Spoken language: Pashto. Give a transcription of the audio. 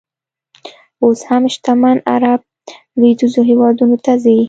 اوس هم شتمن عر ب لویدیځو هېوادونو ته ځي.